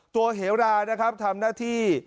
ตัวเหราราทำหน้าที่